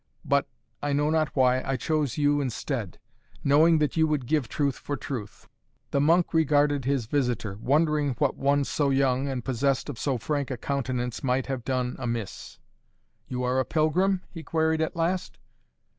But I know not why I chose you instead, knowing that you would give truth for truth." The monk regarded his visitor, wondering what one so young and possessed of so frank a countenance might have done amiss. "You are a pilgrim?" he queried at last.